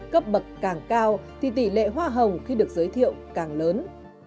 cấp bậc càng cao thì tỷ lệ hoa hồng khi được giới thiệu càng lớn